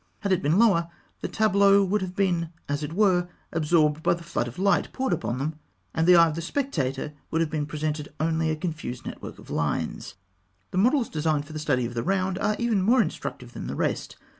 Had it been lower, the tableaux would have been, as it were, absorbed by the flood of light poured upon them, and to the eye of the spectator would have presented only a confused network of lines. The models designed for the study of the round are even more instructive than the rest.